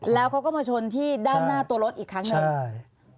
แล้วเขาก็มาชนที่ด้านหน้าตัวรถอีกครั้งหนึ่งใช่